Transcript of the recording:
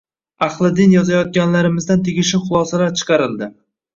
– ahli din yozayotganlarimizdan tegishli xulosalar chiqarildi.